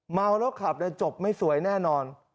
เมาแล้วขับจบไม่สวยแน่นอน